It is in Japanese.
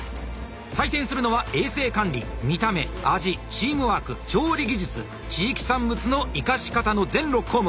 採点するのは衛生管理見た目味チームワーク調理技術地域産物のいかし方の全６項目。